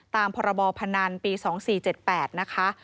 ตามพรบพนันปี๒๔๗๘นะคะ